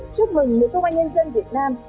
chúc mừng những công an nhân dân việt nam